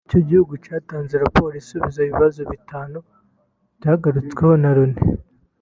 icyo gihugu cyatanze raporo isubiza ibibazo bitanu byagarutsweho na Loni